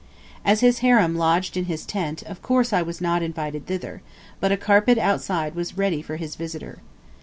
As his harem lodged in his tent, of course I was not invited thither; but a carpet outside was ready for his visitor.